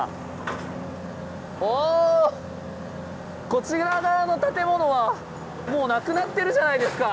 こちら側の建物はもうなくなってるじゃないですか！